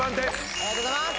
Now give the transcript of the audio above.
ありがとうございます。